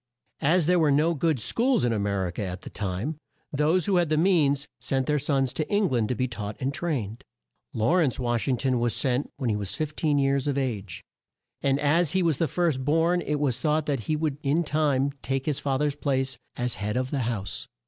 As there were no good schools in A mer i ca at that time, those who had the means sent their sons to Eng land to be taught and trained. Law rence Wash ing ton was sent when he was 15 years of age, and as he was the first born it was thought that he would in time take his fa ther's place, as head of the house.